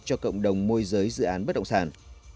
cho cộng đồng môi giới dự án bất động sản